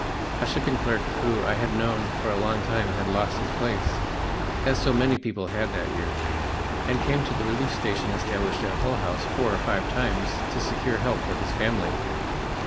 A shipping clerk whom I had known for a long time had lost his place, as so many people had that year, and came to the relief station established at Hull House four or five times to secure help for his family.